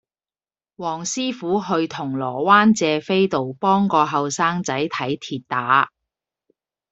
黃師傅去銅鑼灣謝斐道幫個後生仔睇跌打